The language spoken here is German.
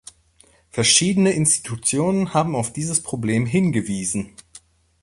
Verschiedene Institutionen haben auf dieses Problem hingewiesen.